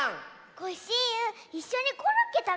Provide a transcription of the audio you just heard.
コッシーユいっしょにコロッケたべない？